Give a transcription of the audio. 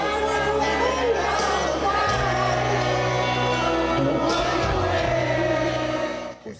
bambang merupakan salah seorang yang beruntung dirinya mendapat tiket gratis menonton guns n' roses